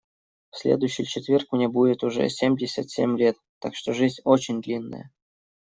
В следующий четверг мне будет уже семьдесят семь лет, так что жизнь очень длинная.